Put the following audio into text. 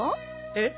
えっ？